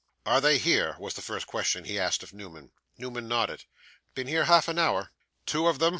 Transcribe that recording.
'Are they here?' was the first question he asked of Newman. Newman nodded. 'Been here half an hour.' 'Two of them?